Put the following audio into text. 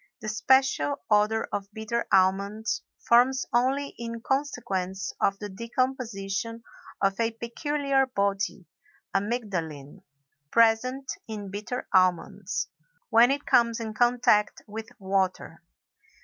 The special odor of bitter almonds forms only in consequence of the decomposition of a peculiar body (amygdalin), present in bitter almonds, when it comes in contact with water.